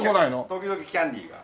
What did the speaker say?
時々キャンディーが。